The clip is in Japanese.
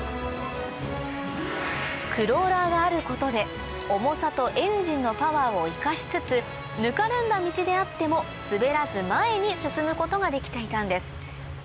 クローラーがあることで重さとエンジンのパワーを生かしつつぬかるんだ道であっても滑らず前に進むことができていたんです